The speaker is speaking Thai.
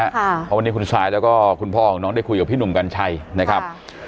เพราะวันนี้คุณซายแล้วก็คุณพ่อของน้องได้คุยกับพี่หนุ่มกัญชัยนะครับ